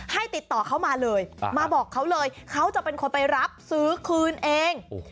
ให้ติดต่อเขามาเลยมาบอกเขาเลยเขาจะเป็นคนไปรับซื้อคืนเอง